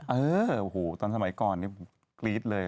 อาหูวตอนสมัยก่อนเนี่ยผมกรี๊ดเลย